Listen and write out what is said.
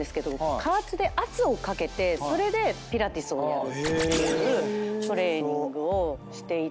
加圧で圧をかけてそれでピラティスをやるっていうトレーニングをしていて。